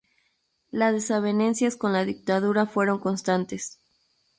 Las desavenencias con la dictadura fueron constantes.